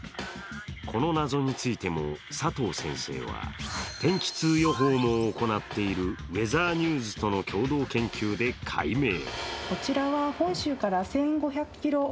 この謎についても佐藤先生は天気痛予報も行っているウェザーニューズとの共同研究で解明。